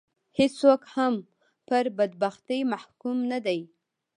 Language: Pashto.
هېڅوک هم پر بدبختي محکوم نه دي